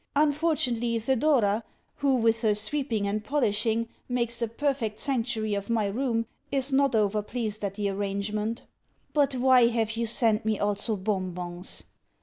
Unfortunately, Thedora, who, with her sweeping and polishing, makes a perfect sanctuary of my room, is not over pleased at the arrangement. But why have you sent me also bonbons?